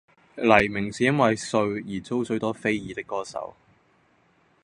黎明是因為“帥”而遭最多非議的歌手